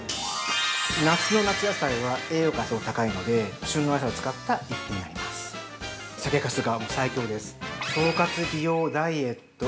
◆夏の夏野菜は栄養価が高いので旬のお野菜を使った１品になります。